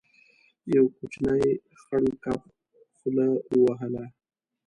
يو کوچنی خړ کب خوله وهله.